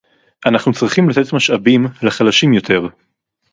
אנחנו צריכים לתת משאבים לחלשים יותר